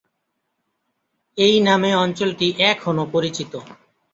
এই নামে অঞ্চলটি এখনও পরিচিত।